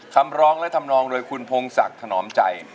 คำร้องและทำนองโดยคุณพงศักดิ์ถนอมใจ